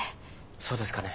そうですかね。